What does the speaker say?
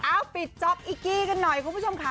ปิดจ๊อปอีกกี้กันหน่อยคุณผู้ชมค่ะ